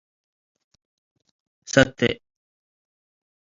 ሰቴ